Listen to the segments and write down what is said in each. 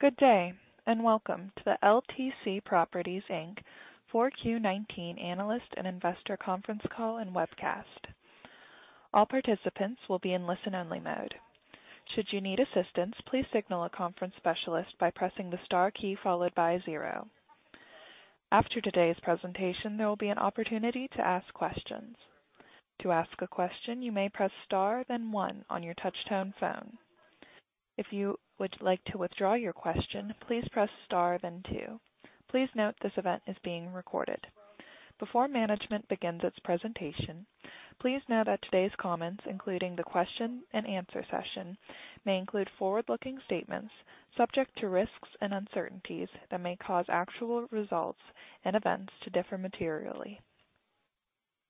Good day, and welcome to the LTC Properties Inc 4Q 2019 Analyst and Investor Conference Call and Webcast. All participants will be in listen only mode. Should you need assistance, please signal a conference specialist by pressing the star key followed by zero. After today's presentation, there will be an opportunity to ask questions. To ask a question, you may press star then one on your touchtone phone. If you would like to withdraw your question, please press star, then two. Please note this event is being recorded. Before management begins its presentation, please note that today's comments, including the question and answer session, may include forward-looking statements subject to risks and uncertainties that may cause actual results and events to differ materially.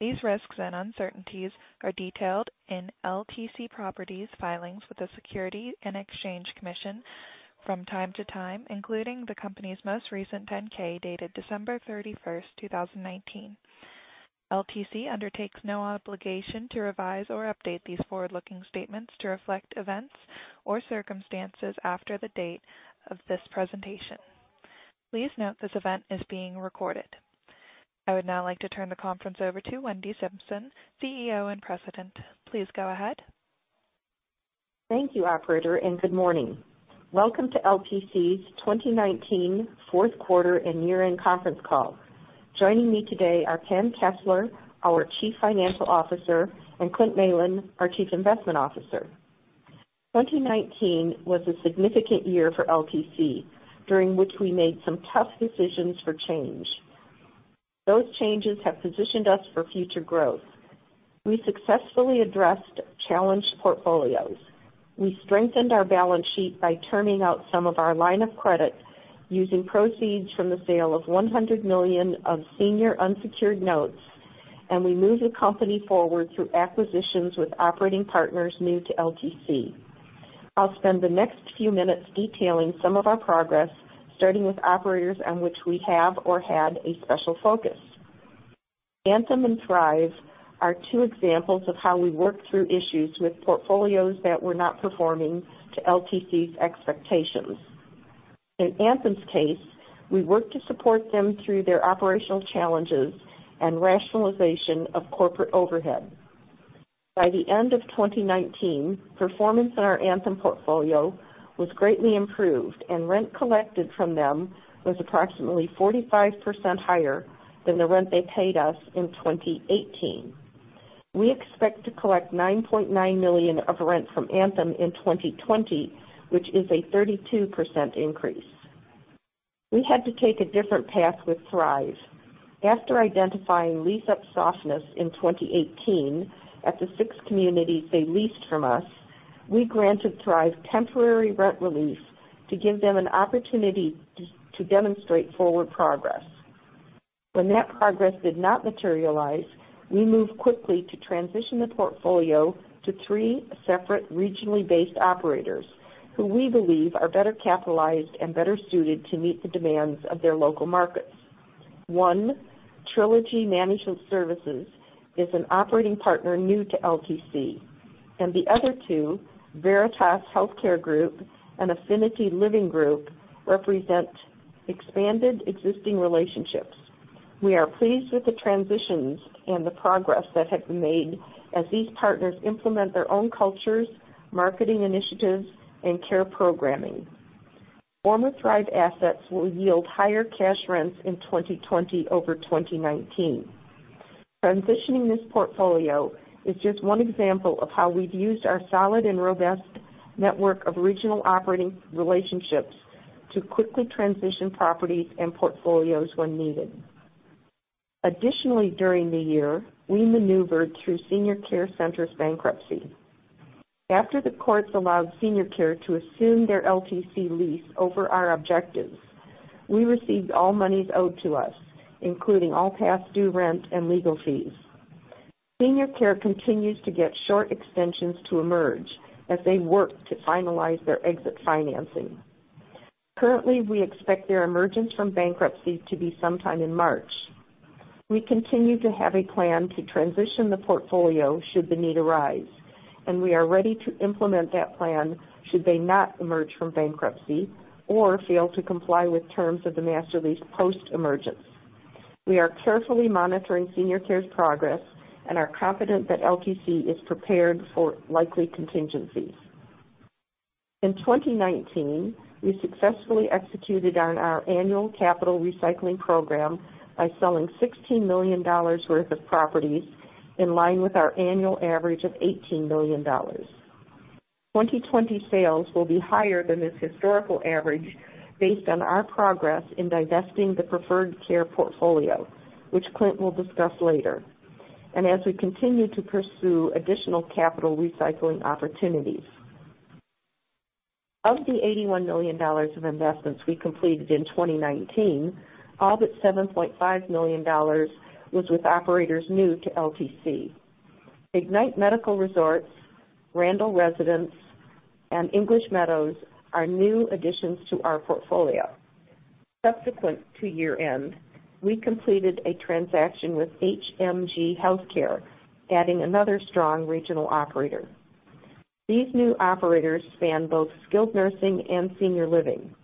These risks and uncertainties are detailed in LTC Properties filings with the Securities and Exchange Commission from time to time, including the company's most recent 10-K, dated December 31st, 2019. LTC undertakes no obligation to revise or update these forward-looking statements to reflect events or circumstances after the date of this presentation. Please note this event is being recorded. I would now like to turn the conference over to Wendy Simpson, CEO and President. Please go ahead. Thank you, operator, and good morning. Welcome to LTC's 2019 fourth quarter and year-end conference call. Joining me today are Pam Kessler, our Chief Financial Officer, and Clint Malin, our Chief Investment Officer. 2019 was a significant year for LTC, during which we made some tough decisions for change. Those changes have positioned us for future growth. We successfully addressed challenged portfolios. We strengthened our balance sheet by turning out some of our line of credit using proceeds from the sale of $100 million of senior unsecured notes, and we moved the company forward through acquisitions with operating partners new to LTC. I'll spend the next few minutes detailing some of our progress, starting with operators on which we have or had a special focus. Anthem and Thrive are two examples of how we worked through issues with portfolios that were not performing to LTC's expectations. In Anthem's case, we worked to support them through their operational challenges and rationalization of corporate overhead. By the end of 2019, performance in our Anthem portfolio was greatly improved, and rent collected from them was approximately 45% higher than the rent they paid us in 2018. We expect to collect $9.9 million of rent from Anthem in 2020, which is a 32% increase. We had to take a different path with Thrive. After identifying lease-up softness in 2018 at the six communities they leased from us, we granted Thrive temporary rent relief to give them an opportunity to demonstrate forward progress. When that progress did not materialize, we moved quickly to transition the portfolio to three separate regionally based operators who we believe are better capitalized and better suited to meet the demands of their local markets. One, Trilogy Health Services, is an operating partner new to LTC, and the other two, Veritas Health Care Group and Affinity Living Group, represent expanded existing relationships. We are pleased with the transitions and the progress that have been made as these partners implement their own cultures, marketing initiatives, and care programming. Former Thrive assets will yield higher cash rents in 2020 over 2019. Transitioning this portfolio is just one example of how we've used our solid and robust network of regional operating relationships to quickly transition properties and portfolios when needed. Additionally, during the year, we maneuvered through Senior Care Centers' bankruptcy. After the courts allowed Senior Care to assume their LTC lease over our objectives, we received all monies owed to us, including all past due rent and legal fees. Senior Care continues to get short extensions to emerge as they work to finalize their exit financing. Currently, we expect their emergence from bankruptcy to be sometime in March. We continue to have a plan to transition the portfolio should the need arise, and we are ready to implement that plan should they not emerge from bankruptcy or fail to comply with terms of the master lease post-emergence. We are carefully monitoring Senior Care's progress and are confident that LTC is prepared for likely contingencies. In 2019, we successfully executed on our annual capital recycling program by selling $16 million worth of properties in line with our annual average of $18 million. 2020 sales will be higher than this historical average based on our progress in divesting the Preferred Care portfolio, which Clint will discuss later, and as we continue to pursue additional capital recycling opportunities. Of the $81 million of investments we completed in 2019, all but $7.5 million was with operators new to LTC. Ignite Medical Resorts, Randall Residence, and English Meadows are new additions to our portfolio. Subsequent to year-end, we completed a transaction with HMG Healthcare, adding another strong regional operator. These new operators span both skilled nursing and senior living.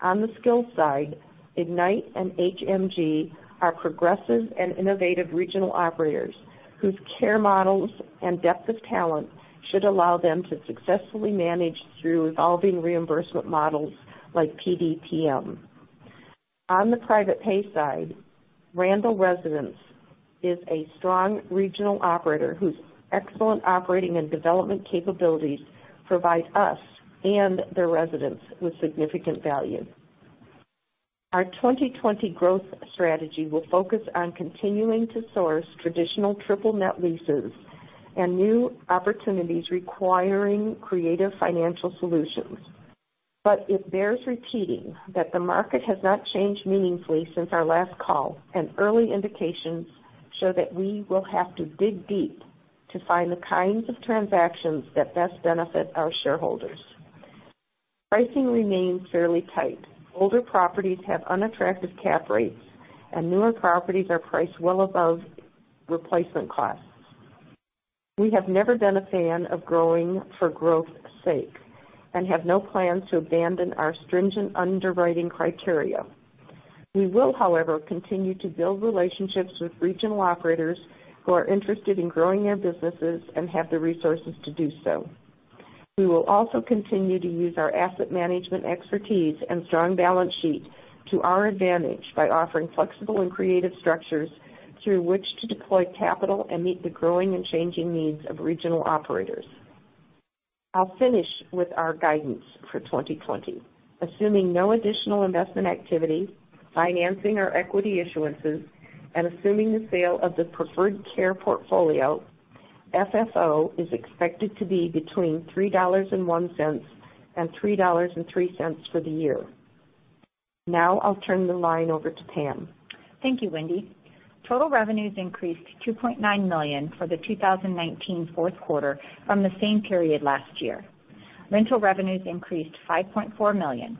On the skills side, Ignite and HMG are progressive and innovative regional operators whose care models and depth of talent should allow them to successfully manage through evolving reimbursement models like PDPM. On the private pay side, Randall Residence is a strong regional operator whose excellent operating and development capabilities provide us and the residents with significant value. Our 2020 growth strategy will focus on continuing to source traditional triple net leases and new opportunities requiring creative financial solutions. It bears repeating that the market has not changed meaningfully since our last call, and early indications show that we will have to dig deep to find the kinds of transactions that best benefit our shareholders. Pricing remains fairly tight. Older properties have unattractive cap rates, and newer properties are priced well above replacement costs. We have never been a fan of growing for growth's sake and have no plans to abandon our stringent underwriting criteria. We will, however, continue to build relationships with regional operators who are interested in growing their businesses and have the resources to do so. We will also continue to use our asset management expertise and strong balance sheet to our advantage by offering flexible and creative structures through which to deploy capital and meet the growing and changing needs of regional operators. I'll finish with our guidance for 2020. Assuming no additional investment activity, financing, or equity issuances, and assuming the sale of the Preferred Care portfolio, FFO is expected to be between $3.01 and $3.03 for the year. Now, I'll turn the line over to Pam. Thank you, Wendy. Total revenues increased to $2.9 million for the 2019 fourth quarter from the same period last year. Rental revenues increased $5.4 million,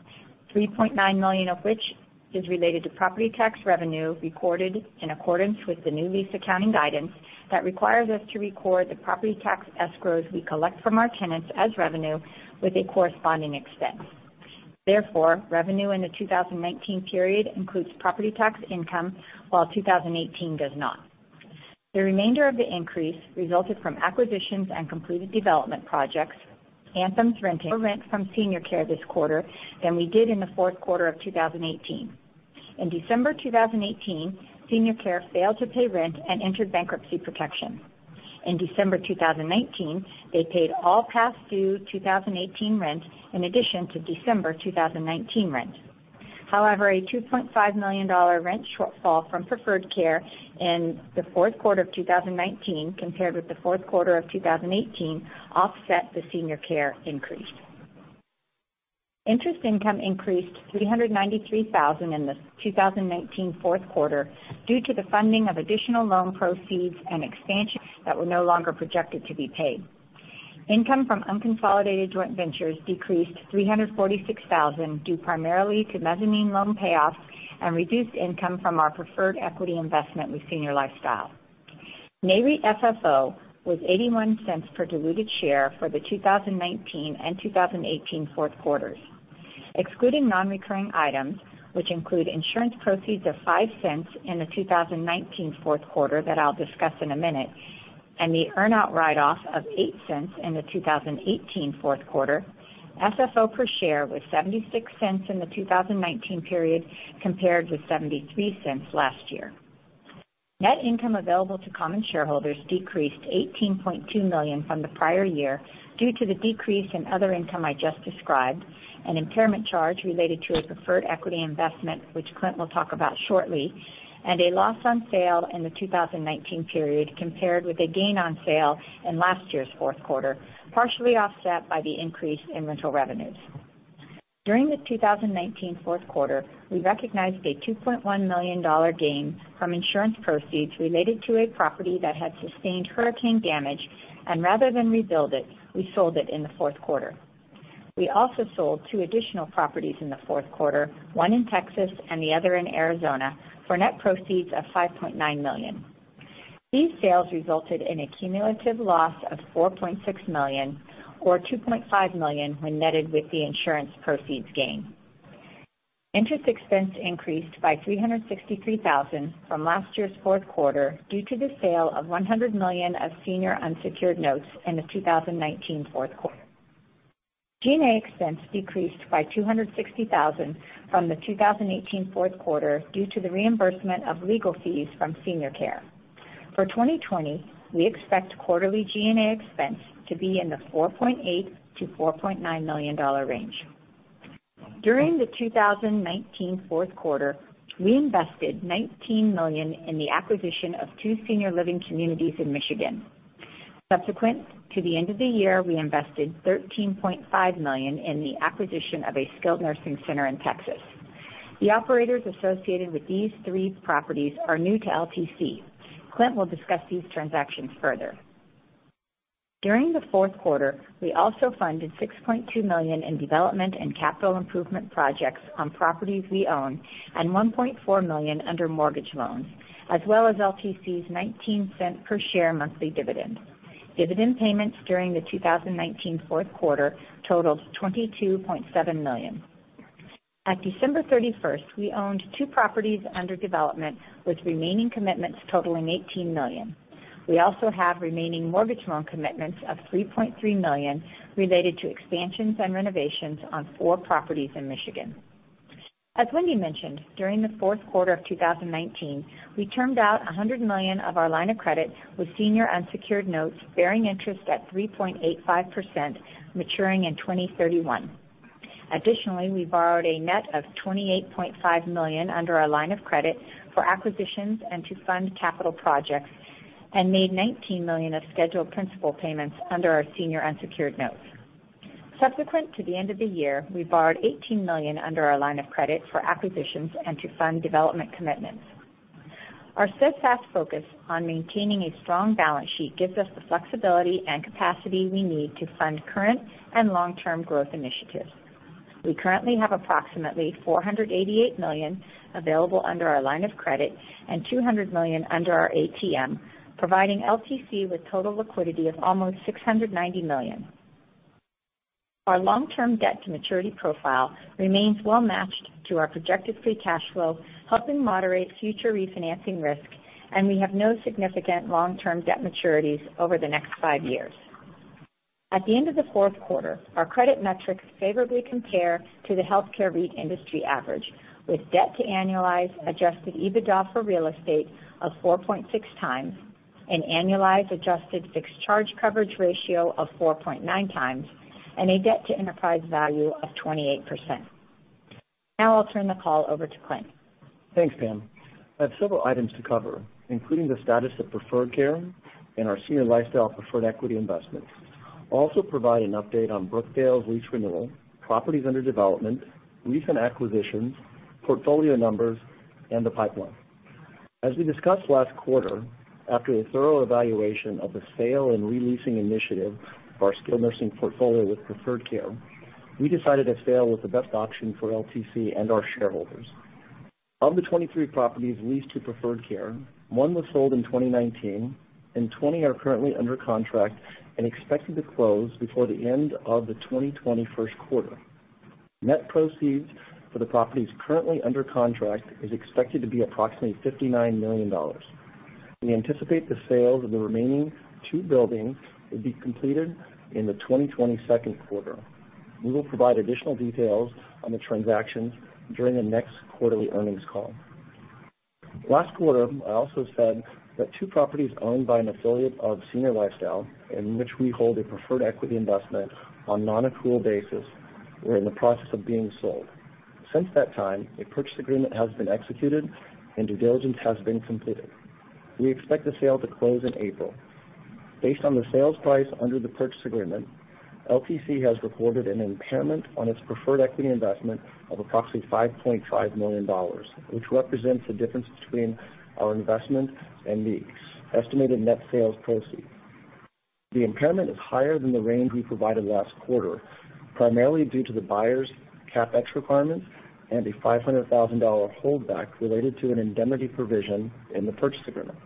$3.9 million of which is related to property tax revenue recorded in accordance with the new lease accounting guidance that requires us to record the property tax escrows we collect from our tenants as revenue with a corresponding expense. Therefore, revenue in the 2019 period includes property tax income, while 2018 does not. The remainder of the increase resulted from acquisitions and completed development projects. Anthem's renting rent from Senior Care this quarter than we did in the fourth quarter of 2018. In December 2018, Senior Care failed to pay rent and entered bankruptcy protection. In December 2019, they paid all past due 2018 rent in addition to December 2019 rent. However, a $2.5 million rent shortfall from Preferred Care in the fourth quarter of 2019 compared with the fourth quarter of 2018 offset the Senior Care increase. Interest income increased to $393,000 in the 2019 fourth quarter due to the funding of additional loan proceeds and expansion that were no longer projected to be paid. Income from unconsolidated joint ventures decreased $346,000 due primarily to mezzanine loan payoffs and reduced income from our preferred equity investment with Senior Lifestyle. NAREIT FFO was $0.81 per diluted share for the 2019 and 2018 fourth quarters. Excluding non-recurring items, which include insurance proceeds of $0.05 in the 2019 fourth quarter that I'll discuss in a minute, and the earn-out write-off of $0.08 in the 2018 fourth quarter, FFO per share was $0.76 in the 2019 period, compared with $0.73 last year. Net income available to common shareholders decreased $18.2 million from the prior year due to the decrease in other income I just described, an impairment charge related to a preferred equity investment, which Clint will talk about shortly, and a loss on sale in the 2019 period compared with a gain on sale in last year's fourth quarter, partially offset by the increase in rental revenues. During the 2019 fourth quarter, we recognized a $2.1 million gain from insurance proceeds related to a property that had sustained hurricane damage, and rather than rebuild it, we sold it in the fourth quarter. We also sold two additional properties in the fourth quarter, one in Texas and the other in Arizona, for net proceeds of $5.9 million. These sales resulted in a cumulative loss of $4.6 million, or $2.5 million when netted with the insurance proceeds gain. Interest expense increased by $363,000 from last year's fourth quarter due to the sale of $100 million of senior unsecured notes in the 2019 fourth quarter. G&A expense decreased by $260,000 from the 2018 fourth quarter due to the reimbursement of legal fees from Senior Care. For 2020, we expect quarterly G&A expense to be in the $4.8 million-$4.9 million range. During the 2019 fourth quarter, we invested $19 million in the acquisition of two senior living communities in Michigan. Subsequent to the end of the year, we invested $13.5 million in the acquisition of a skilled nursing center in Texas. The operators associated with these three properties are new to LTC. Clint will discuss these transactions further. During the fourth quarter, we also funded $6.2 million in development and capital improvement projects on properties we own and $1.4 million under mortgage loans, as well as LTC's $0.19 per share monthly dividend. Dividend payments during the 2019 fourth quarter totaled $22.7 million. At December 31st, we owned two properties under development with remaining commitments totaling $18 million. We also have remaining mortgage loan commitments of $3.3 million related to expansions and renovations on four properties in Michigan. As Wendy mentioned, during the fourth quarter of 2019, we termed out $100 million of our line of credit with senior unsecured notes bearing interest at 3.85%, maturing in 2031. We borrowed a net of $28.5 million under our line of credit for acquisitions and to fund capital projects and made $19 million of scheduled principal payments under our senior unsecured notes. Subsequent to the end of the year, we borrowed $18 million under our line of credit for acquisitions and to fund development commitments. Our steadfast focus on maintaining a strong balance sheet gives us the flexibility and capacity we need to fund current and long-term growth initiatives. We currently have approximately $488 million available under our line of credit and $200 million under our ATM, providing LTC with total liquidity of almost $690 million. Our long-term debt to maturity profile remains well-matched to our projected free cash flow, helping moderate future refinancing risk, and we have no significant long-term debt maturities over the next five years. At the end of the fourth quarter, our credit metrics favorably compare to the healthcare REIT industry average, with debt to annualized adjusted EBITDA for real estate of 4.6x and annualized adjusted fixed charge coverage ratio of 4.9x and a debt to enterprise value of 28%. Now I'll turn the call over to Clint. Thanks, Pam. I have several items to cover, including the status of Preferred Care and our Senior Lifestyle preferred equity investment. I'll also provide an update on Brookdale's lease renewal, properties under development, recent acquisitions, portfolio numbers, and the pipeline. As we discussed last quarter, after a thorough evaluation of the sale and re-leasing initiative of our skilled nursing portfolio with Preferred Care, we decided a sale was the best option for LTC and our shareholders. Of the 23 properties leased to Preferred Care, one was sold in 2019 and 20 are currently under contract and expected to close before the end of the 2020 first quarter. Net proceeds for the properties currently under contract is expected to be approximately $59 million. We anticipate the sales of the remaining two buildings will be completed in the 2020 second quarter. We will provide additional details on the transactions during the next quarterly earnings call. Last quarter, I also said that two properties owned by an affiliate of Senior Lifestyle, in which we hold a preferred equity investment on non-accrual basis, were in the process of being sold. Since that time, a purchase agreement has been executed and due diligence has been completed. We expect the sale to close in April. Based on the sales price under the purchase agreement, LTC has recorded an impairment on its preferred equity investment of approximately $5.5 million, which represents the difference between our investment and the estimated net sales proceeds. The impairment is higher than the range we provided last quarter, primarily due to the buyer's CapEx requirements and a $500,000 holdback related to an indemnity provision in the purchase agreement.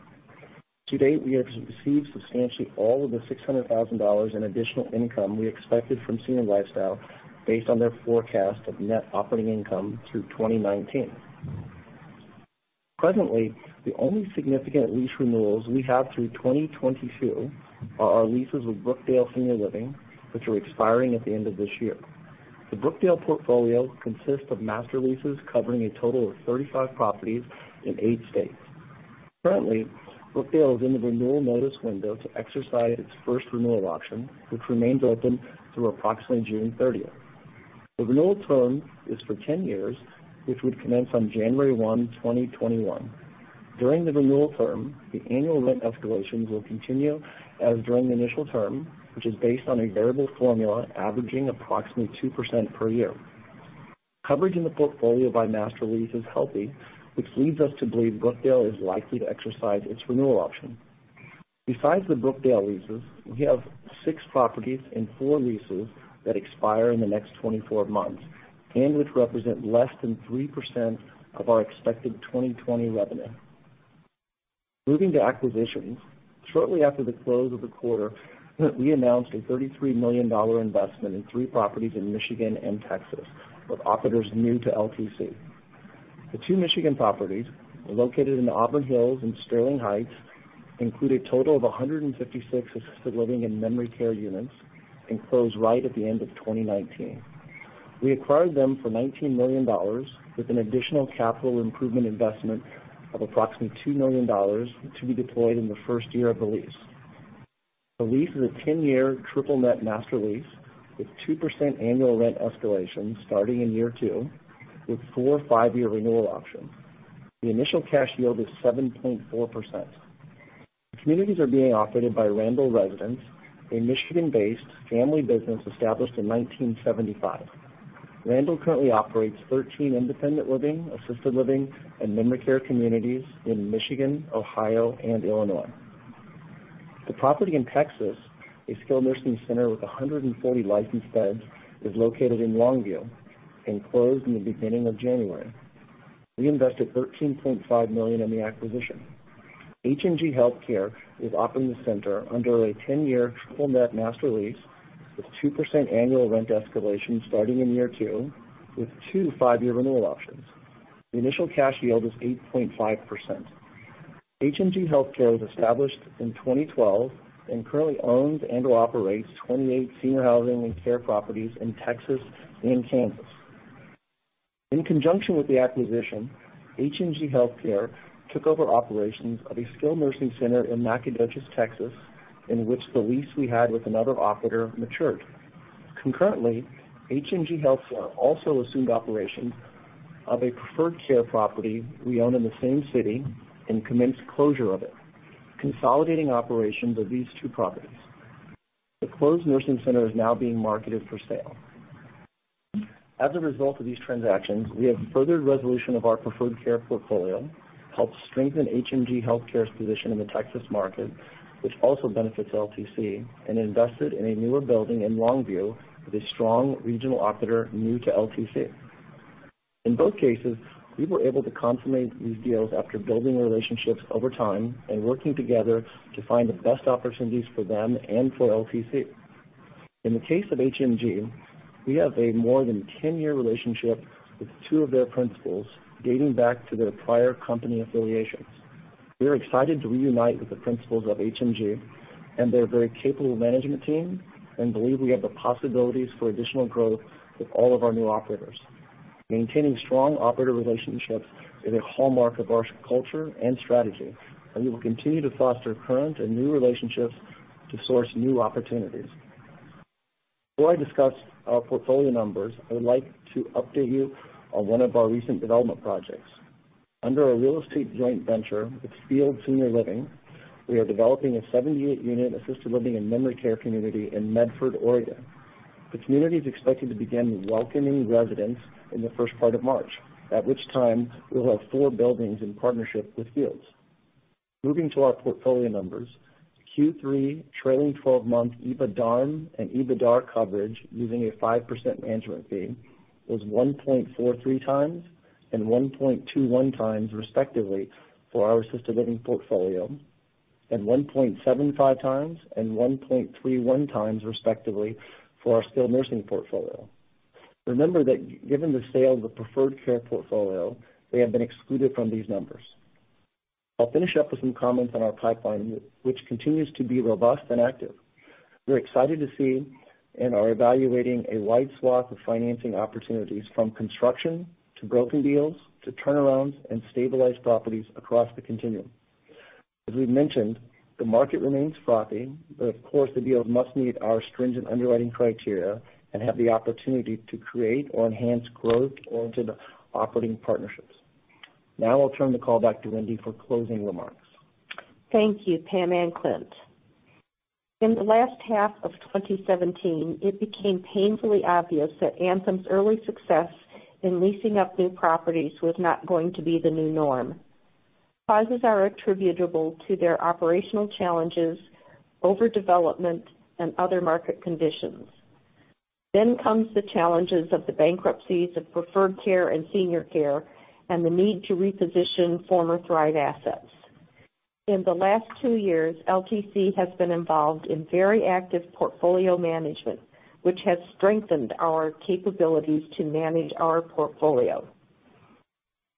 To date, we have received substantially all of the $600,000 in additional income we expected from Senior Lifestyle based on their forecast of net operating income through 2019. Presently, the only significant lease renewals we have through 2022 are our leases with Brookdale Senior Living, which are expiring at the end of this year. The Brookdale portfolio consists of master leases covering a total of 35 properties in eight states. Currently, Brookdale is in the renewal notice window to exercise its first renewal option, which remains open through approximately June 30th. The renewal term is for 10 years, which would commence on January 1, 2021. During the renewal term, the annual rent escalations will continue as during the initial term, which is based on a variable formula averaging approximately 2% per year. Coverage in the portfolio by master lease is healthy, which leads us to believe Brookdale is likely to exercise its renewal option. Besides the Brookdale leases, we have six properties and four leases that expire in the next 24 months and which represent less than 3% of our expected 2020 revenue. Moving to acquisitions, shortly after the close of the quarter, we announced a $33 million investment in three properties in Michigan and Texas with operators new to LTC. The two Michigan properties are located in Auburn Hills and Sterling Heights, include a total of 156 assisted living and memory care units, and closed right at the end of 2019. We acquired them for $19 million with an additional capital improvement investment of approximately $2 million to be deployed in the first year of the lease. The lease is a 10-year triple-net master lease with 2% annual rent escalation starting in year two, with four five-year renewal options. The initial cash yield is 7.4%. The communities are being operated by Randall Residence, a Michigan-based family business established in 1975. Randall currently operates 13 independent living, assisted living, and memory care communities in Michigan, Ohio, and Illinois. The property in Texas, a skilled nursing center with 140 licensed beds, is located in Longview and closed in the beginning of January. We invested $13.5 million in the acquisition. HMG Healthcare is operating the center under a 10-year triple-net master lease with 2% annual rent escalation starting in year two, with two five-year renewal options. The initial cash yield is 8.5%. HMG Healthcare was established in 2012 and currently owns and/or operates 28 senior housing and care properties in Texas and Kansas. In conjunction with the acquisition, HMG Healthcare took over operations of a skilled nursing center in McAllen, Texas, in which the lease we had with another operator matured. Concurrently, HMG Healthcare also assumed operations of a Preferred Care property we own in the same city and commenced closure of it, consolidating operations of these two properties. The closed nursing center is now being marketed for sale. As a result of these transactions, we have furthered resolution of our Preferred Care portfolio, helped strengthen HMG Healthcare's position in the Texas market, which also benefits LTC, and invested in a newer building in Longview with a strong regional operator new to LTC. In both cases, we were able to consummate these deals after building relationships over time and working together to find the best opportunities for them and for LTC. In the case of HMG, we have a more than 10-year relationship with two of their principals, dating back to their prior company affiliations. We are excited to reunite with the principals of HMG and their very capable management team, and believe we have the possibilities for additional growth with all of our new operators. Maintaining strong operator relationships is a hallmark of our culture and strategy, and we will continue to foster current and new relationships to source new opportunities. Before I discuss our portfolio numbers, I would like to update you on one of our recent development projects. Under a real estate joint venture with Fields Senior Living, we are developing a 78-unit assisted living and memory care community in Medford, Oregon. The community is expected to begin welcoming residents in the first part of March, at which time we will have four buildings in partnership with Fields. Moving to our portfolio numbers, Q3 trailing 12-month EBITDARM and EBITDAR coverage using a 5% management fee was 1.43x and 1.21x respectively for our assisted living portfolio, and 1.75x and 1.31x respectively for our skilled nursing portfolio. Remember that given the sale of the Preferred Care portfolio, they have been excluded from these numbers. I'll finish up with some comments on our pipeline, which continues to be robust and active. We're excited to see and are evaluating a wide swath of financing opportunities, from construction to broken deals to turnarounds and stabilized properties across the continuum. As we mentioned, the market remains frothy, but of course, the deals must meet our stringent underwriting criteria and have the opportunity to create or enhance growth oriented operating partnerships. Now, I'll turn the call back to Wendy for closing remarks. Thank you, Pam and Clint. In the last half of 2017, it became painfully obvious that Anthem's early success in leasing up new properties was not going to be the new norm. Causes are attributable to their operational challenges, overdevelopment, and other market conditions. Comes the challenges of the bankruptcies of Preferred Care and Senior Care and the need to reposition former Thrive assets. In the last two years, LTC has been involved in very active portfolio management, which has strengthened our capabilities to manage our portfolio.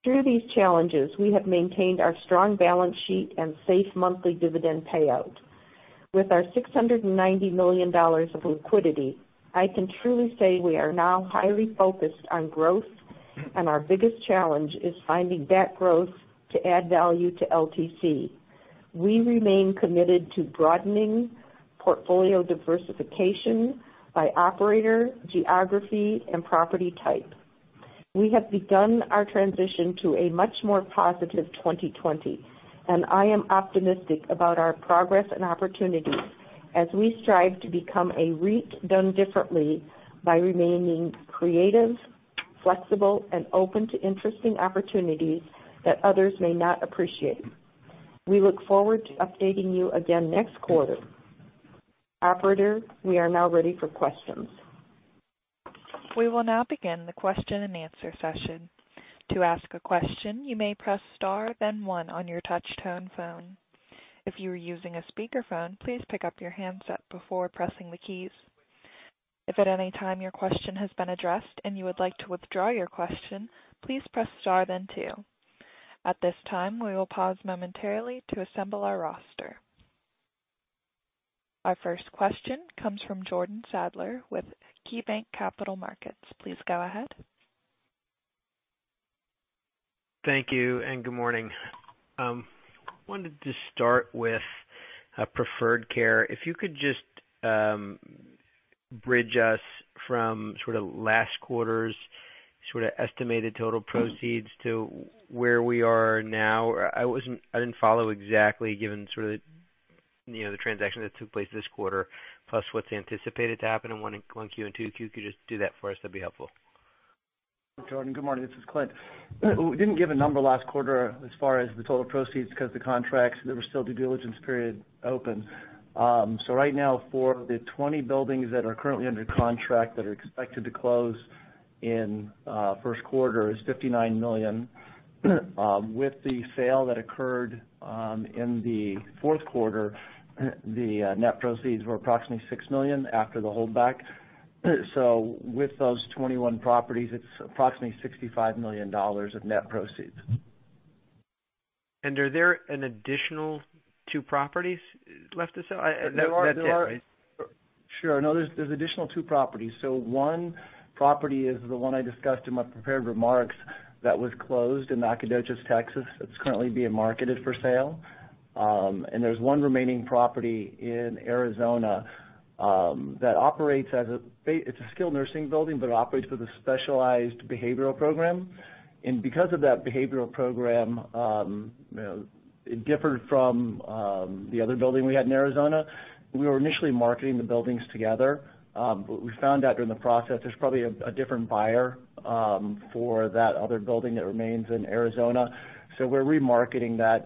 Through these challenges, we have maintained our strong balance sheet and safe monthly dividend payout. With our $690 million of liquidity, I can truly say we are now highly focused on growth, and our biggest challenge is finding that growth to add value to LTC. We remain committed to broadening portfolio diversification by operator, geography, and property type. We have begun our transition to a much more positive 2020. I am optimistic about our progress and opportunities as we strive to become a REIT done differently by remaining creative, flexible, and open to interesting opportunities that others may not appreciate. We look forward to updating you again next quarter. Operator, we are now ready for questions. We will now begin the question-and-answer session. To ask a question, you may press star then one on your touch-tone phone. If you are using a speakerphone, please pick up your handset before pressing the keys. If at any time your question has been addressed and you would like to withdraw your question, please press star then two. At this time, we will pause momentarily to assemble our roster. Our first question comes from Jordan Sadler with KeyBanc Capital Markets. Please go ahead. Thank you. Good morning. I wanted to start with Preferred Care. If you could just bridge us from sort of last quarter's sort of estimated total proceeds to where we are now. I didn't follow exactly given sort of the transaction that took place this quarter plus what's anticipated to happen in 1Q and 2Q. If you could just do that for us, that'd be helpful. Jordan, good morning. This is Clint. We didn't give a number last quarter as far as the total proceeds because the contracts, they were still due diligence period open. Right now, for the 20 buildings that are currently under contract that are expected to close in first quarter is $59 million. With the sale that occurred in the fourth quarter, the net proceeds were approximately $6 million after the holdback. With those 21 properties, it's approximately $65 million of net proceeds. Are there an additional two properties left to sell- There are. ...that's it, right? Sure. No, there's additional two properties. One property is the one I discussed in my prepared remarks that was closed in Nacogdoches, Texas. There's one remaining property in Arizona that operates as a It's a skilled nursing building but operates with a specialized behavioral program. Because of that behavioral program, it differed from the other building we had in Arizona. We were initially marketing the buildings together. We found out during the process, there's probably a different buyer for that other building that remains in Arizona. We're remarketing that,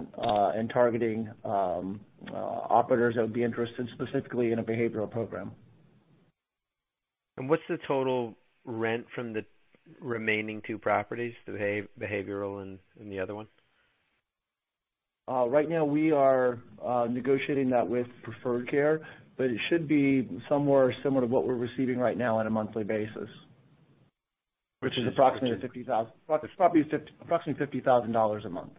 and targeting operators that would be interested specifically in a behavioral program. What's the total rent from the remaining two properties, the behavioral and the other one? Right now, we are negotiating that with Preferred Care, but it should be somewhere similar to what we're receiving right now on a monthly basis. Which is approximately $50,000. It's approximately $50,000 a month.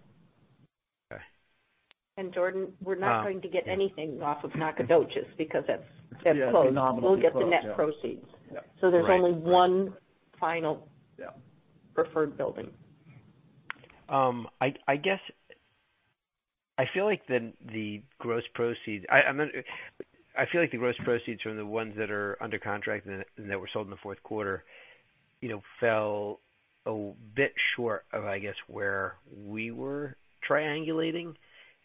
Okay. Jordan, we're not going to get anything off of Nacogdoches because that's closed. Yeah. The nominal is closed. We'll get the net proceeds- Yeah. ...there's only one final- Yeah. ...preferred building. I feel like the gross proceeds from the ones that are under contract and that were sold in the fourth quarter fell a bit short of, I guess, where we were triangulating.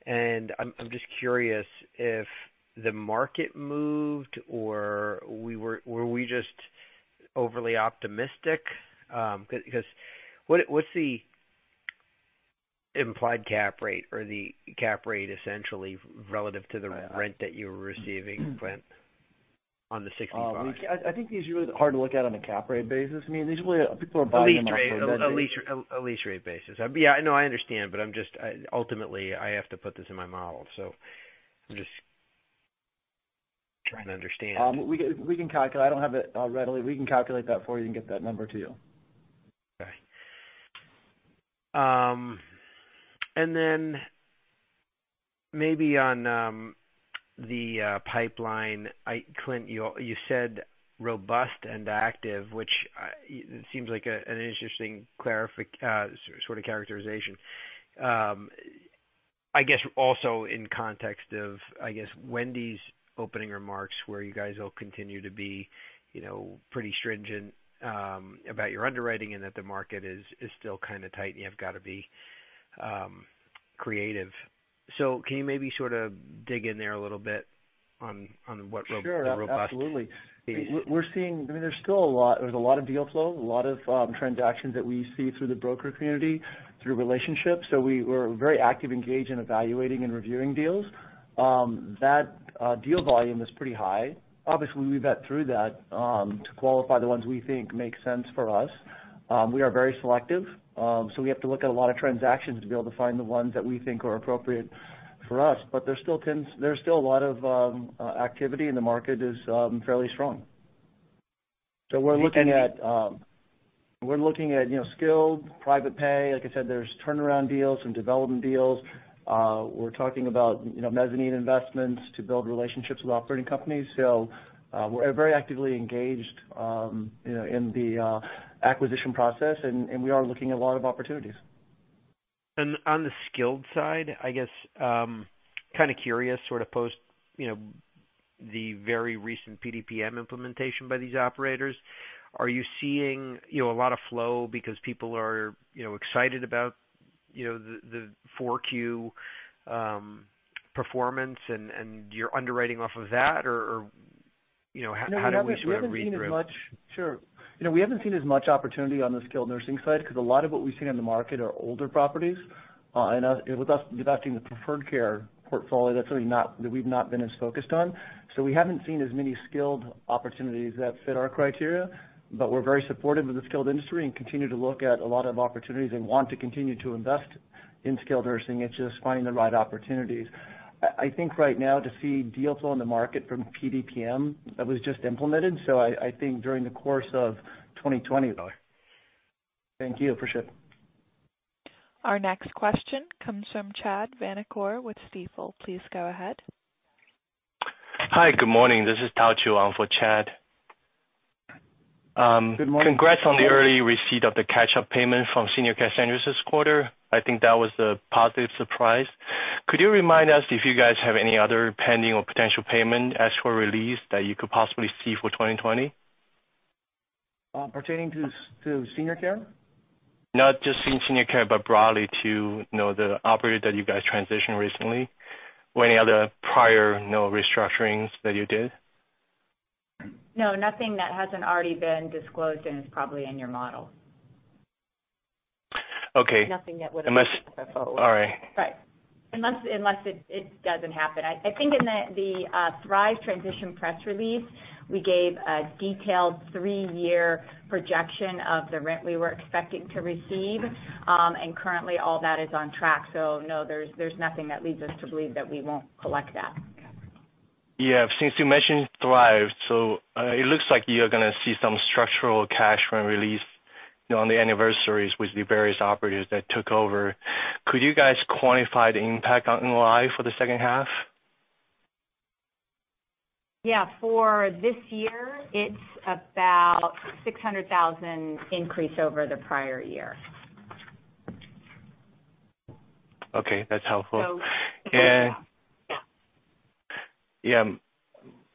I'm just curious if the market moved or were we just overly optimistic? What's the implied cap rate or the cap rate essentially relative to the rent that you were receiving, Clint, on the 65? I think these are really hard to look at on a cap rate basis. I mean, these really, people are buying them off. A lease rate basis. Yeah, I know, I understand, but ultimately, I have to put this in my model, so I'm just trying to understand. We can calculate. I don't have it readily. We can calculate that for you and get that number to you. Okay. And then, maybe on the pipeline, Clint, you said robust and active, which seems like an interesting sort of characterization. I guess, also in context of Wendy's opening remarks, where you guys will continue to be pretty stringent about your underwriting and that the market is still kind of tight and you've got to be creative. Can you maybe sort of dig in there a little bit on what robust is? Sure, absolutely. We're seeing I mean, there's a lot of deal flow, a lot of transactions that we see through the broker community, through relationships. We're very actively engaged in evaluating and reviewing deals. That deal volume is pretty high. Obviously, we vet through that to qualify the ones we think make sense for us. We are very selective, so we have to look at a lot of transactions to be able to find the ones that we think are appropriate for us. There's still a lot of activity, and the market is fairly strong. So we're looking at- ...we're looking at skilled private pay. Like I said, there's turnaround deals, some development deals. We're talking about mezzanine investments to build relationships with operating companies. We're very actively engaged in the acquisition process, and we are looking at a lot of opportunities. On the skilled side, I guess, kind of curious sort of post the very recent PDPM implementation by these operators. Are you seeing a lot of flow because people are excited about the 4Q performance and you're underwriting off of that? How do we sort of read through it? Sure. We haven't seen as much opportunity on the skilled nursing side because a lot of what we've seen on the market are older properties. With us adopting the Preferred Care portfolio, that's something that we've not been as focused on. We haven't seen as many skilled opportunities that fit our criteria, but we're very supportive of the skilled industry and continue to look at a lot of opportunities and want to continue to invest in skilled nursing. It's just finding the right opportunities. I think right now, to see deal flow in the market from PDPM, that was just implemented. I think during the course of 2020. Thank you. Appreciate it. Our next question comes from Chad Vanacore with Stifel. Please go ahead. Hi, good morning. This is Tao Chuang for Chad. Good morning. Congrats on the early receipt of the catch-up payment from Senior Care Centers this quarter. I think that was a positive surprise. Could you remind us if you guys have any other pending or potential payment as for release that you could possibly see for 2020? Pertaining to Senior Care? Not just in Senior Care, but broadly to the operator that you guys transitioned recently or any other prior restructurings that you did. No, nothing that hasn't already been disclosed and is probably in your model. Okay. Nothing that would- Unless. All right. Right. Unless it doesn't happen. I think in the Thrive transition press release, we gave a detailed three-year projection of the rent we were expecting to receive. Currently, all that is on track, so no, there's nothing that leads us to believe that we won't collect that. Yeah. Since you mentioned Thrive, it looks like you're going to see some structural cash from release on the anniversaries with the various operators that took over. Could you guys quantify the impact on NOI for the second half? Yeah. For this year, it's about $600,000 increase over the prior year. Okay. That's helpful. So- Yeah,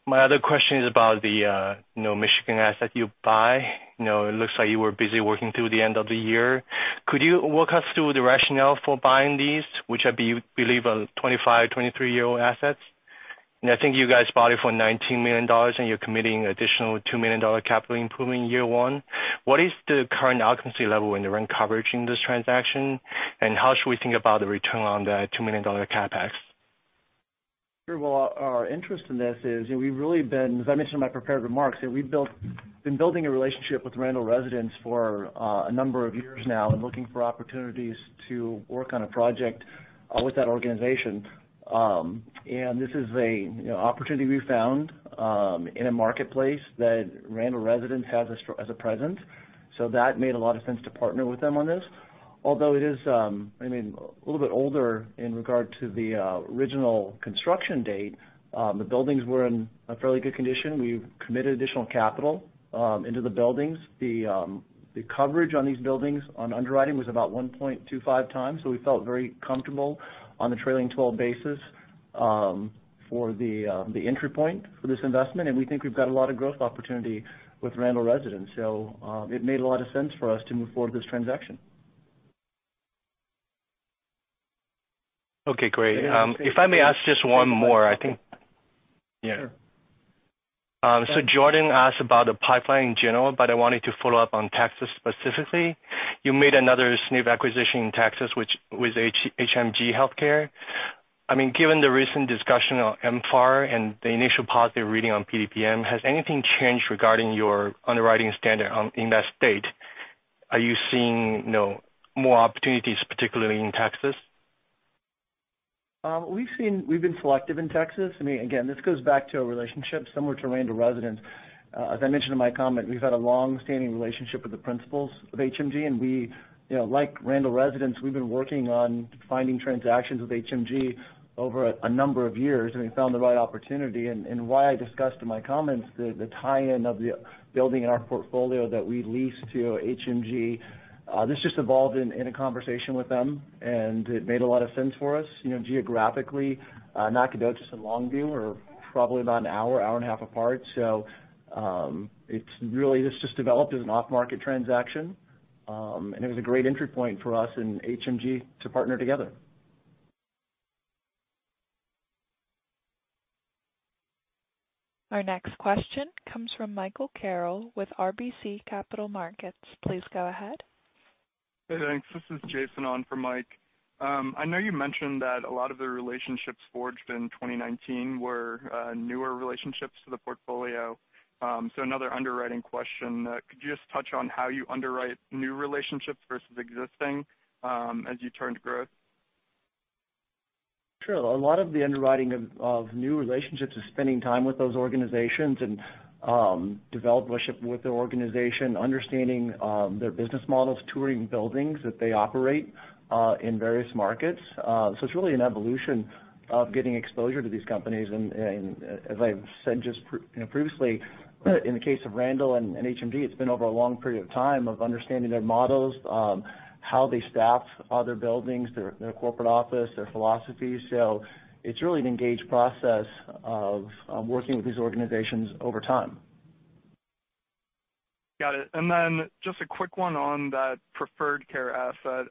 my other question is about the Michigan asset you buy. It looks like you were busy working through the end of the year. Could you walk us through the rationale for buying these, which I believe are 25-23-year-old assets? I think you guys bought it for $19 million, and you're committing additional $2 million capital improvement in year one. What is the current occupancy level and the rent coverage in this transaction, and how should we think about the return on the $2 million CapEx? Sure. Well, our interest in this is, as I mentioned in my prepared remarks, that we've been building a relationship with Randall Residence for a number of years now and looking for opportunities to work on a project with that organization. This is an opportunity we found in a marketplace that Randall Residence has a presence, that made a lot of sense to partner with them on this. Although it is a little bit older in regard to the original construction date, the buildings were in fairly good condition. We've committed additional capital into the buildings. The coverage on these buildings on underwriting was about 1.25x. We felt very comfortable on the trailing 12 basis for the entry point for this investment. We think we've got a lot of growth opportunity with Randall Residence, so it made a lot of sense for us to move forward with this transaction. Okay, great. If I may ask just one more, I think. Sure. Jordan asked about the pipeline in general, but I wanted to follow up on Texas specifically. You made another SNF acquisition in Texas, which was HMG Healthcare. Given the recent discussion on MFAR and the initial positive reading on PDPM, has anything changed regarding your underwriting standard in that state? Are you seeing more opportunities, particularly in Texas? We've been selective in Texas. Again, this goes back to a relationship similar to Randall Residence. As I mentioned in my comment, we've had a long-standing relationship with the principals of HMG, and like Randall Residence, we've been working on finding transactions with HMG over a number of years, and we found the right opportunity. Why I discussed in my comments the tie-in of the building in our portfolio that we lease to HMG, this just evolved in a conversation with them, and it made a lot of sense for us geographically. Nacogdoches and Longview are probably about an hour and a half apart. This just developed as an off-market transaction, and it was a great entry point for us and HMG to partner together. Our next question comes from Michael Carroll with RBC Capital Markets. Please go ahead. Thanks. This is Jason on for Mike. I know you mentioned that a lot of the relationships forged in 2019 were newer relationships to the portfolio. Another underwriting question, could you just touch on how you underwrite new relationships versus existing as you turn to growth? Sure. A lot of the underwriting of new relationships is spending time with those organizations and develop relationship with the organization, understanding their business models, touring buildings that they operate in various markets. It's really an evolution of getting exposure to these companies, and as I've said just previously, in the case of Randall and HMG, it's been over a long period of time of understanding their models, how they staff other buildings, their corporate office, their philosophy. It's really an engaged process of working with these organizations over time. Got it. Just a quick one on that Preferred Care asset.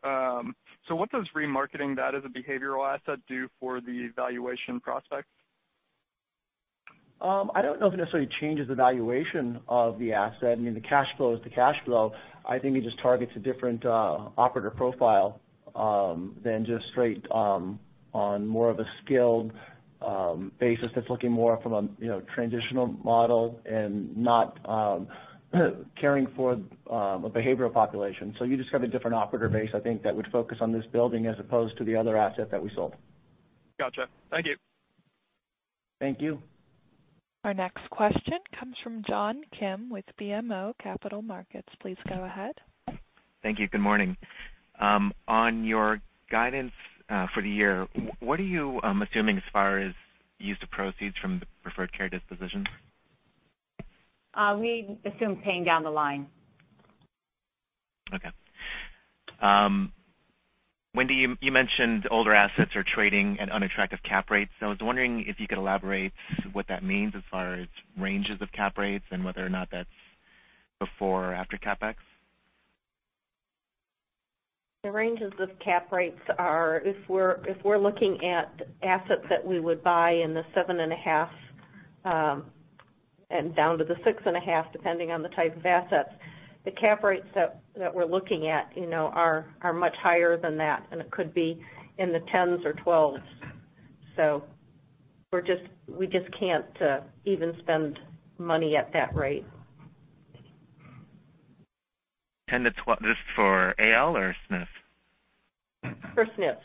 What does remarketing that as a behavioral asset do for the valuation prospects? I don't know if it necessarily changes the valuation of the asset. The cash flow is the cash flow. I think it just targets a different operator profile than just straight on more of a skilled basis that's looking more from a transitional model and not caring for a behavioral population. You just have a different operator base, I think that would focus on this building as opposed to the other asset that we sold. Got you. Thank you. Thank you. Our next question comes from John Kim with BMO Capital Markets. Please go ahead. Thank you. Good morning. On your guidance for the year, what are you assuming as far as use of proceeds from the Preferred Care disposition? We assume paying down the line. Okay. Wendy, you mentioned older assets are trading at unattractive cap rates. I was wondering if you could elaborate what that means as far as ranges of cap rates and whether or not that's before or after CapEx. The ranges of cap rates are, if we're looking at assets that we would buy in the 7.5 and down to the 6.5, depending on the type of assets, the cap rates that we're looking at are much higher than that, and it could be in the 10s or 12s. We just can't even spend money at that rate. 10-12, this is for AL or SNF? For SNFs.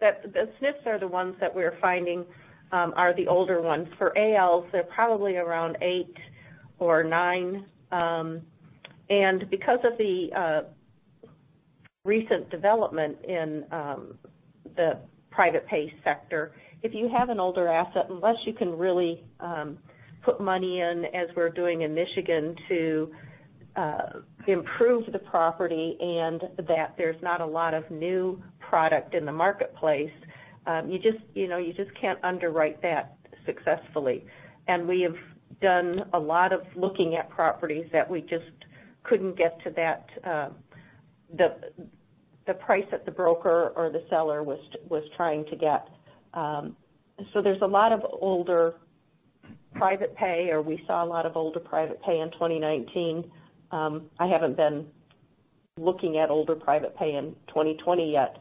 The SNFs are the ones that we're finding are the older ones. For ALs, they're probably around eight or nine. Because of the recent development in the private pay sector, if you have an older asset, unless you can really put money in, as we're doing in Michigan, to improve the property and that there's not a lot of new product in the marketplace, you just can't underwrite that successfully. We have done a lot of looking at properties that we just couldn't get to the price that the broker or the seller was trying to get. There's a lot of older private pay, or we saw a lot of older private pay in 2019. I haven't been looking at older private pay in 2020 yet.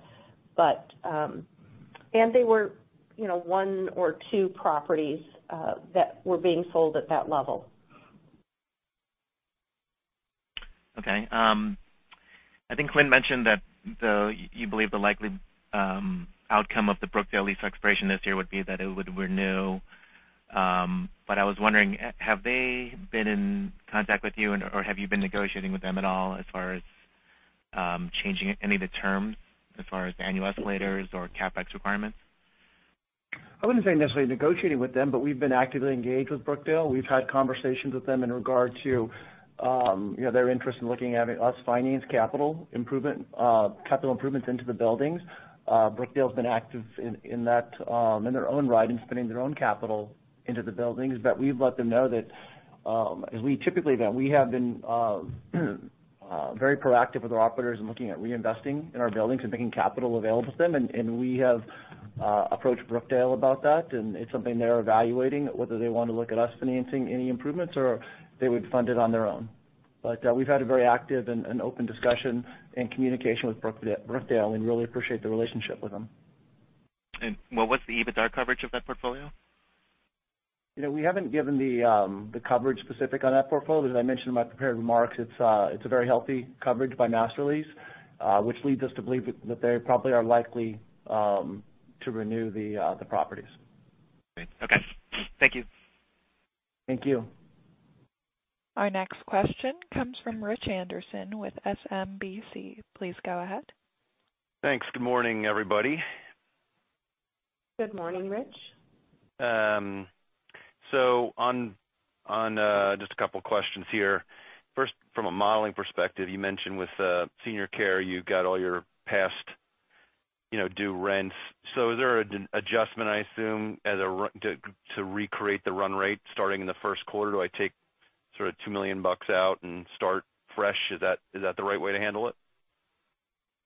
They were one or two properties that were being sold at that level. Okay. I think Clint mentioned that you believe the likely outcome of the Brookdale lease expiration this year would be that it would renew. I was wondering, have they been in contact with you, or have you been negotiating with them at all as far as changing any of the terms as far as annual escalators or CapEx requirements? I wouldn't say necessarily negotiating with them, but we've been actively engaged with Brookdale. We've had conversations with them in regard to their interest in looking at us financing capital improvements into the buildings. Brookdale's been active in their own right in spending their own capital into the buildings. We've let them know that, as we typically have, we have been very proactive with our operators in looking at reinvesting in our buildings and making capital available to them. We have approached Brookdale about that, and it's something they're evaluating, whether they want to look at us financing any improvements or if they would fund it on their own. We've had a very active and open discussion and communication with Brookdale and really appreciate the relationship with them. What's the EBITDA coverage of that portfolio? We haven't given the coverage specific on that portfolio. As I mentioned in my prepared remarks, it's a very healthy coverage by master lease, which leads us to believe that they probably are likely to renew the properties. Great. Okay. Thank you. Thank you. Our next question comes from Rich Anderson with SMBC. Please go ahead. Thanks. Good morning, everybody. Good morning, Rich. Just a couple of questions here. First, from a modeling perspective, you mentioned with Senior Care, you got all your past due rents. Is there an adjustment, I assume, to recreate the run rate starting in the first quarter? Do I take sort of $2 million out and start fresh? Is that the right way to handle it?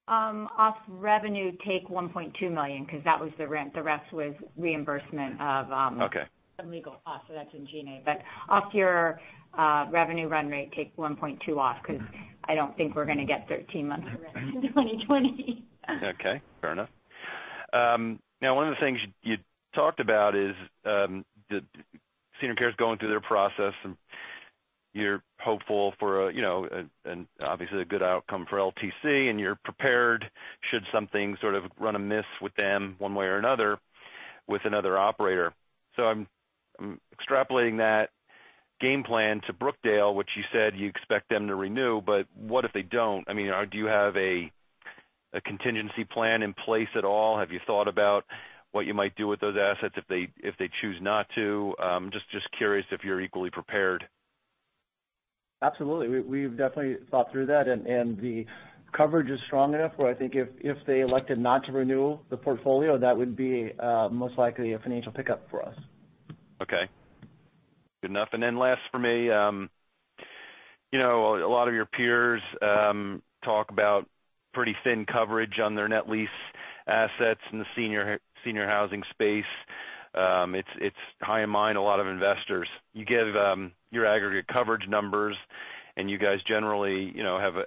Off revenue, take $1.2 million, because that was the rent. The rest was reimbursement of- Okay. ...some legal costs, so that's in G&A. Off your revenue run rate, take 1.2 off, because I don't think we're going to get 13 months of rent in 2020. Okay, fair enough. One of the things you talked about is that Senior Care is going through their process, and you're hopeful for, obviously, a good outcome for LTC, and you're prepared should something sort of run amiss with them one way or another with another operator. I'm extrapolating that game plan to Brookdale, which you said you expect them to renew, but what if they don't? Do you have a contingency plan in place at all? Have you thought about what you might do with those assets if they choose not to? Just curious if you're equally prepared. Absolutely. We've definitely thought through that, and the coverage is strong enough where I think if they elected not to renew the portfolio, that would be most likely a financial pickup for us. Okay. Good enough. Last for me, a lot of your peers talk about pretty thin coverage on their net lease assets in the senior housing space. It's high in mind, a lot of investors. You give your aggregate coverage numbers, and you guys generally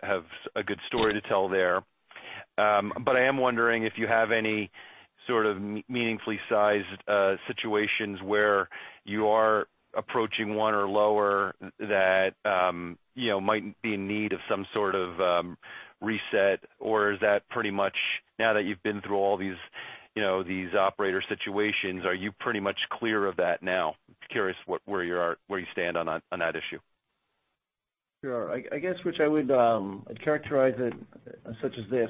have a good story to tell there. I am wondering if you have any sort of meaningfully sized situations where you are approaching one or lower that might be in need of some sort of reset, or is that pretty much, now that you've been through all these operator situations, are you pretty much clear of that now? Curious where you stand on that issue. Sure. I guess, Rich, I would characterize it such as this.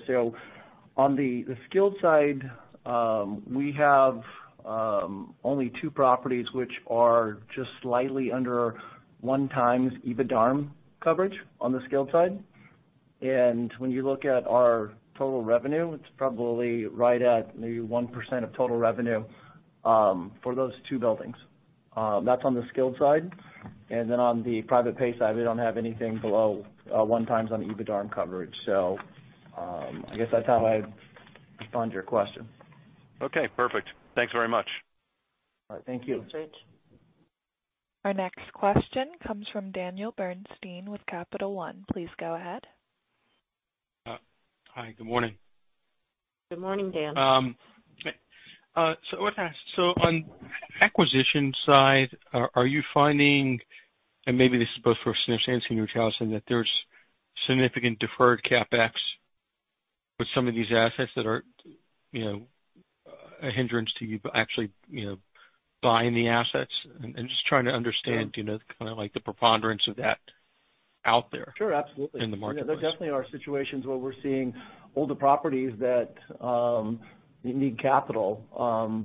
On the skilled side, we have only two properties which are just slightly under one times EBITDARM coverage on the skilled side. When you look at our total revenue, it's probably right at maybe 1% of total revenue for those two buildings. That's on the skilled side. On the private pay side, we don't have anything below one times on the EBITDARM coverage. I guess that's how I'd respond to your question. Okay, perfect. Thanks very much. All right. Thank you. Thanks. Our next question comes from Daniel Bernstein with Capital One. Please go ahead. Hi, good morning. Good morning, Dan. I wanted to ask, so on acquisition side, are you finding, and maybe this is both for SNFs and Senior Housing, that there's significant deferred CapEx with some of these assets that are a hindrance to you, but actually buying the assets and just trying to understand, kind of like the preponderance of that out there? Sure. Absolutely. in the marketplace. There definitely are situations where we're seeing older properties that need capital.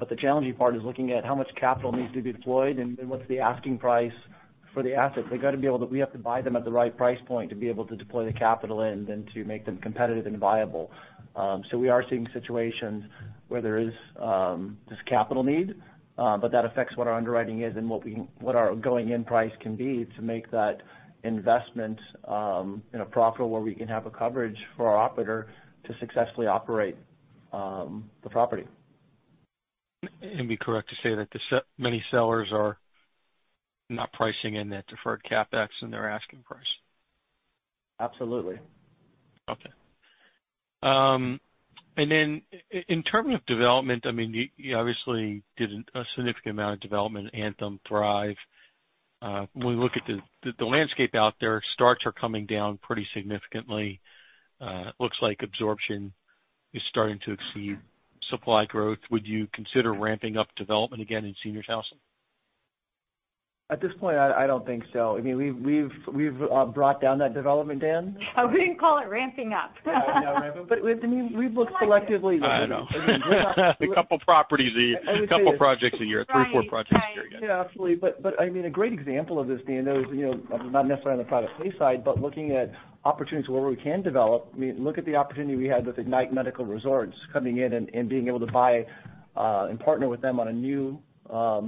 The challenging part is looking at how much capital needs to be deployed and then what's the asking price for the asset. We have to buy them at the right price point to be able to deploy the capital in, then to make them competitive and viable. We are seeing situations where there is this capital need, but that affects what our underwriting is and what our going-in price can be to make that investment profitable, where we can have a coverage for our operator to successfully operate the property. Be correct to say that many sellers are not pricing in that deferred CapEx in their asking price. Absolutely. Okay. In terms of development, you obviously did a significant amount of development, Anthem Thrive. When we look at the landscape out there, starts are coming down pretty significantly. Looks like absorption is starting to exceed supply growth. Would you consider ramping up development again in Seniors Housing? At this point, I don't think so. We've brought down that development, Dan. Oh, we didn't call it ramping up. No, not ramping up. We've looked selectively. I know. A couple properties, a couple projects a year, three, four projects a year, yeah. Right. Yeah, absolutely. A great example of this, Dan, though, is, not necessarily on the private pay side, but looking at opportunities where we can develop, look at the opportunity we had with Ignite Medical Resorts coming in and being able to buy, and partner with them on a new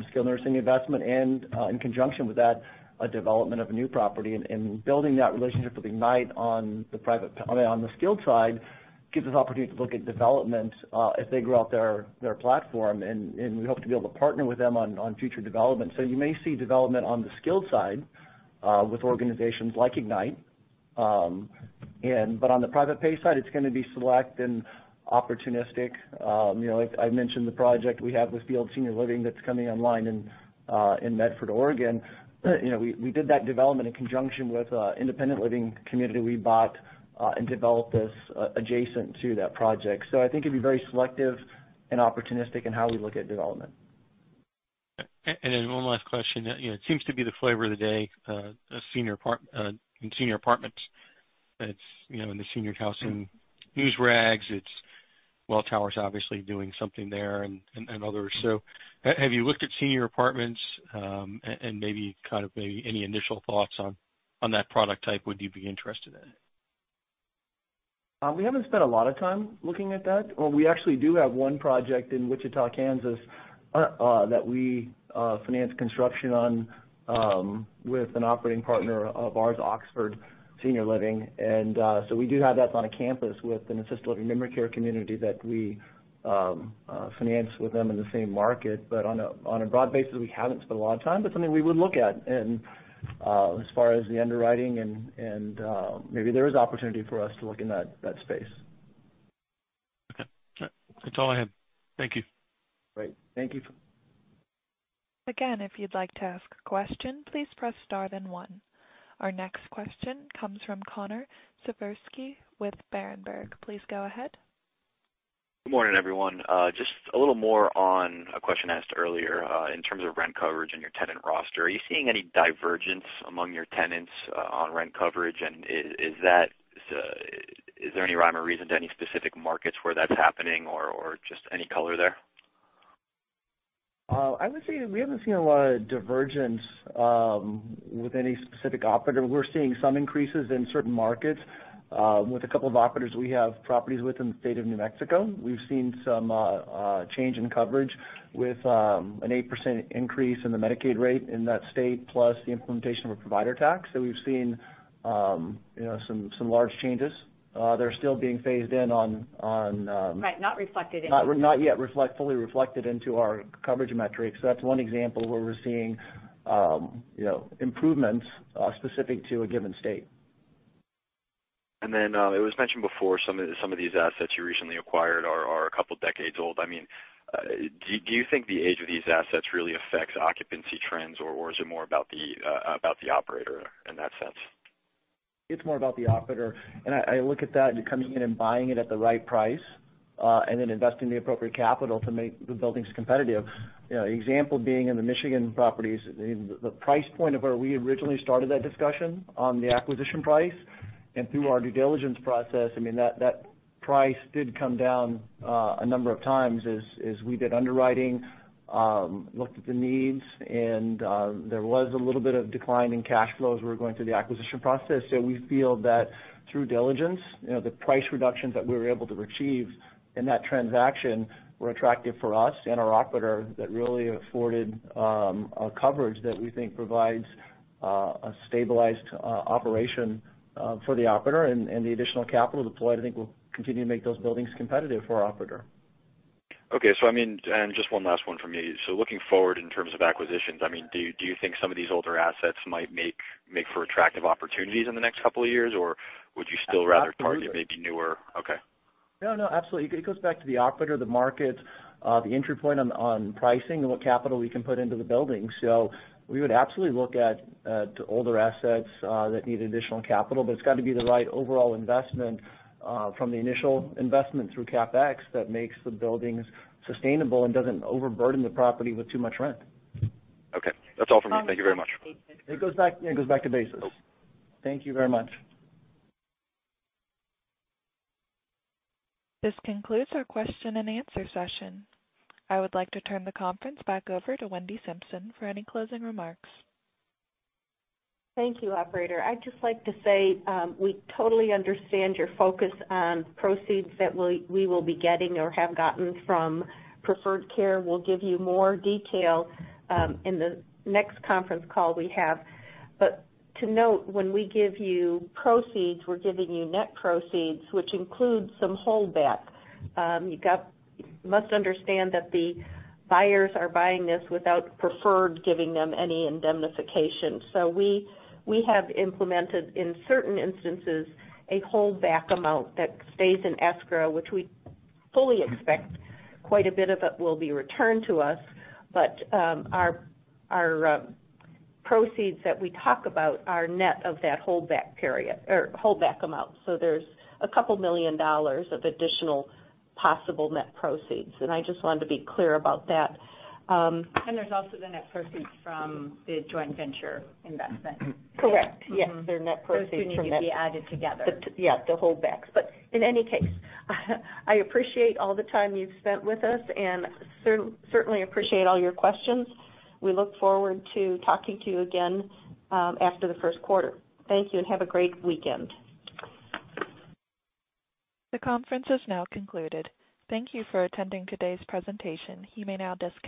skilled nursing investment and, in conjunction with that, a development of a new property, and building that relationship with Ignite on the skilled side, gives us opportunity to look at development, if they grow out their platform, and we hope to be able to partner with them on future developments. You may see development on the skilled side, with organizations like Ignite. On the private pay side, it's going to be select and opportunistic. Like I mentioned, the project we have with Fields Senior Living that's coming online in Medford, Oregon, we did that development in conjunction with an independent living community we bought and developed this adjacent to that project. I think it'd be very selective and opportunistic in how we look at development. One last question. It seems to be the flavor of the day, senior apartments that's in the senior housing news rags. Welltower's obviously doing something there and others. Have you looked at senior apartments, and maybe any initial thoughts on that product type? Would you be interested in it? We haven't spent a lot of time looking at that. We actually do have one project in Wichita, Kansas, that we financed construction on with an operating partner of ours, Oxford Senior Living. We do have that on a campus with an assisted living memory care community that we financed with them in the same market. On a broad basis, we haven't spent a lot of time, but something we would look at. As far as the underwriting and maybe there is opportunity for us to look in that space. Okay. That's all I have. Thank you. Great. Thank you. Again, if you'd like to ask a question, please press star then one. Our next question comes from Connor Siversky with Berenberg. Please go ahead. Good morning, everyone. Just a little more on a question asked earlier. In terms of rent coverage and your tenant roster, are you seeing any divergence among your tenants on rent coverage? Is there any rhyme or reason to any specific markets where that's happening or just any color there? I would say we haven't seen a lot of divergence with any specific operator. We're seeing some increases in certain markets, with a couple of operators we have properties with in the state of New Mexico. We've seen some change in coverage with an 8% increase in the Medicaid rate in that state, plus the implementation of a provider tax. We've seen some large changes. Right, not reflected in- Not yet fully reflected into our coverage metrics. That's one example where we're seeing improvements specific to a given state. It was mentioned before, some of these assets you recently acquired are a couple decades old. Do you think the age of these assets really affects occupancy trends, or is it more about the operator in that sense? It's more about the operator. I look at that, you're coming in and buying it at the right price, and then investing the appropriate capital to make the buildings competitive. An example being in the Michigan properties, the price point of where we originally started that discussion on the acquisition price. Through our due diligence process, that price did come down a number of times as we did underwriting, looked at the needs, and there was a little bit of decline in cash flow as we were going through the acquisition process. We feel that through diligence, the price reductions that we were able to achieve in that transaction were attractive for us and our operator that really afforded a coverage that we think provides a stabilized operation for the operator and the additional capital deployed, I think will continue to make those buildings competitive for our operator. Okay. Just one last one from me. Looking forward in terms of acquisitions, do you think some of these older assets might make for attractive opportunities in the next couple of years? Would you still rather target maybe newer? Okay. No, no, absolutely. It goes back to the operator, the market, the entry point on pricing and what capital we can put into the building. We would absolutely look at older assets that need additional capital, but it's got to be the right overall investment from the initial investment through CapEx that makes the buildings sustainable and doesn't overburden the property with too much rent. Okay, that's all for me. Thank you very much. It goes back to basis. Thank you very much. This concludes our question and answer session. I would like to turn the conference back over to Wendy Simpson for any closing remarks. Thank you, operator. I'd just like to say, we totally understand your focus on proceeds that we will be getting or have gotten from Preferred Care. We'll give you more detail in the next conference call we have. To note, when we give you proceeds, we're giving you net proceeds, which includes some holdback. You must understand that the buyers are buying this without Preferred giving them any indemnification. We have implemented, in certain instances, a holdback amount that stays in escrow, which we fully expect quite a bit of it will be returned to us. Our proceeds that we talk about are net of that holdback amount. There's a couple million dollars of additional possible net proceeds, and I just wanted to be clear about that. There's also the net proceeds from the joint venture investment. Correct. Yes. They're net proceeds from that. Those two need to be added together. Yes, the holdbacks. In any case, I appreciate all the time you've spent with us and certainly appreciate all your questions. We look forward to talking to you again after the first quarter. Thank you and have a great weekend. The conference has now concluded. Thank you for attending today's presentation. You may now disc-